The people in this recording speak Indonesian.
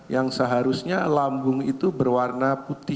yang seharusnya lambung itu berwarna putih